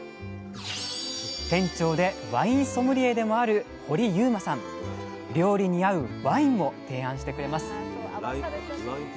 店長でワインソムリエでもある料理に合うワインも提案してくれます。